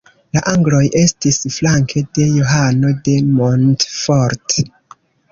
La angloj estis flanke de Johano de Montfort.